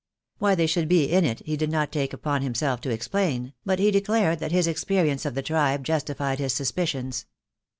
Why they should be in it he did not take upon him self to explain, but he declared that his experience of the tribe justified his suspicions.